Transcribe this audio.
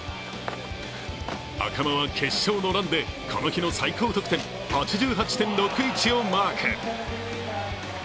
赤間は決勝のランでこの日の最高得点８８．６１をマーク。